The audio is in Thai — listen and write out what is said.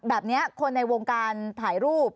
แบบนี้คนในวงการถ่ายรูป